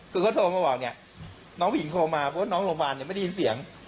คือเขาโทรมาบอกเนี่ยน้องผู้หญิงโทรมาเพราะว่าน้องโรงพยาบาลเนี่ยไม่ได้ยินเสียง